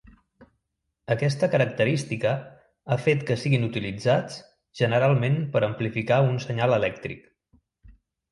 Aquesta característica ha fet que siguin utilitzats generalment per amplificar un senyal elèctric.